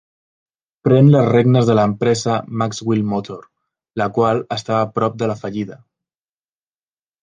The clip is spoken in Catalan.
Pren les regnes de l'empresa Maxwell Motor, la qual estava prop de la fallida.